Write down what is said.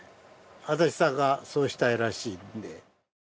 足立さんがそうしたいらしいので。